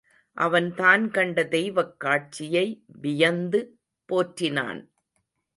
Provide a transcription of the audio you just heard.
அவன் தான் கண்ட தெய்வக் காட்சியை வியந்து போற்றினான்.